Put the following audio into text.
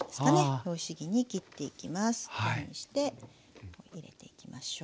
こういうふうにして入れていきましょう。